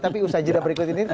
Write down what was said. tapi usaha jidat berikut ini